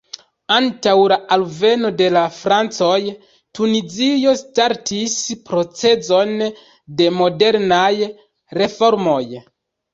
Antaŭ la alveno de la francoj, Tunizio startis procezon de modernaj reformoj.